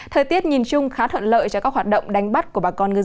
thời tiết nhìn chung khá thuận lợi cho các hoạt động đánh dấu